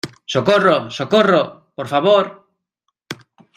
¡ socorro, socorro! ¡ por favor !